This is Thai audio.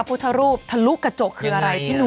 พุทธรูปทะลุกระจกคืออะไรพี่หนุ่ม